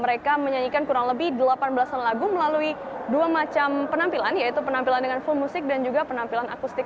mereka menyanyikan kurang lebih delapan belas lagu melalui dua macam penampilan yaitu penampilan dengan foam musik dan juga penampilan akustik